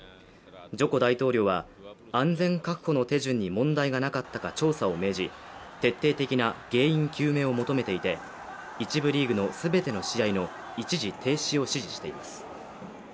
ジョコ大統領は、安全確保の手順に問題がなかったか調査を命じ、徹底的な原因究明を求めていて１部リーグの全ての試合の一時停止を指示しています。